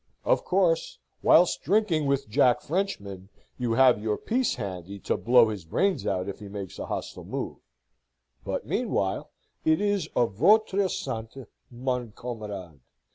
Of course, whilst drinking with Jack Frenchman, you have your piece handy to blow his brains out if he makes a hostile move: but, meanwhile, it is A votre sante, mon camarade!